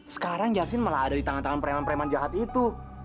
sekarang justin malah ada di tangan tangan preman preman jahat itu